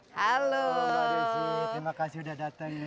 halo terima kasih sudah datang